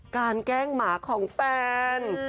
แกล้งหมาของแฟน